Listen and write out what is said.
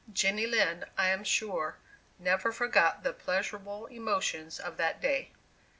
Jenny Lind, I am sure, never forgot the pleasurable emotions of that day.